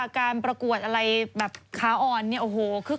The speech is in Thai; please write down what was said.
การประกวดอะไรแบบค้าอ่อนเนี่ย